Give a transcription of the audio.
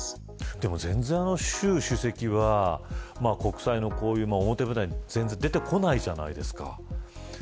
でも、習主席は国際の表舞台に、全然出てこないじゃないですか。